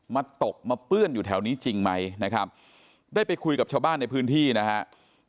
มาตกมาเปื้อนอยู่แถวนี้จริงไหมนะครับได้ไปคุยกับชาวบ้านในพื้นที่นะครับ